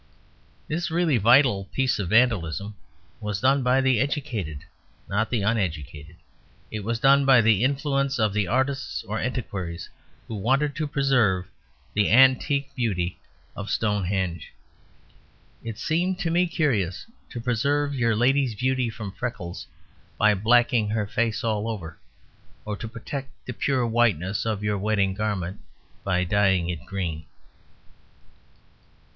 This really vital piece of vandalism was done by the educated, not the uneducated; it was done by the influence of the artists or antiquaries who wanted to preserve the antique beauty of Stonehenge. It seems to me curious to preserve your lady's beauty from freckles by blacking her face all over; or to protect the pure whiteness of your wedding garment by dyeing it green.